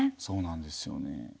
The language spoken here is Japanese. そうなんですよね。